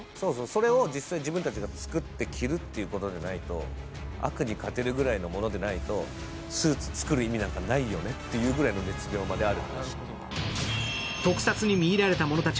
それを実際に自分たちが作って着るというくらいでないと悪に勝てるぐらいのものでないとスーツつくる意味なんてないよねというくらいの熱量がある。